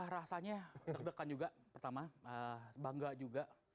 rasanya deg degan juga pertama bangga juga